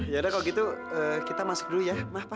yaudah kalau gitu kita masuk dulu ya mah pa